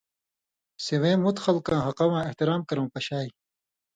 سِوَیں مُت خلقاں حقہ واں احترام کرؤں پشائ۔